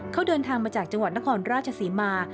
เขาเดินทางมาจากจังหวัดนครราชศรีมา